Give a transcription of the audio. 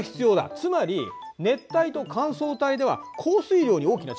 つまり熱帯と乾燥帯では降水量に大きな違いがあるんだ。